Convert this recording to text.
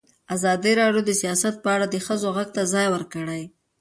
ازادي راډیو د سیاست په اړه د ښځو غږ ته ځای ورکړی.